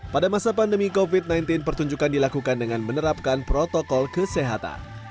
pada masa pandemi covid sembilan belas pertunjukan dilakukan dengan menerapkan protokol kesehatan